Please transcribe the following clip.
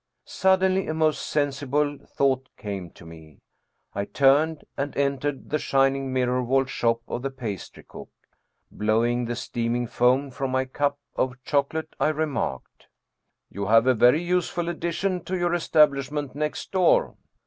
Suddenly a most sensible thought came to me. I turned and entered the shining, mirror walled shop of the pastry cook. Blowing the steaming foam from my cup of choco late, I remarked :" You have a very useful addition to your establishment next door."